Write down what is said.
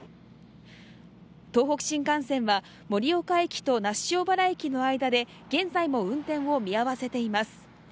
東北新幹線は盛岡駅と那須塩原駅の間で現在も、運転を見合わせています。